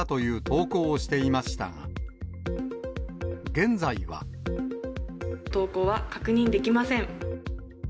投稿は確認できません。